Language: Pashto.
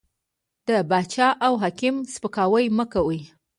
د باچا او حاکم سپکاوی مه کوئ!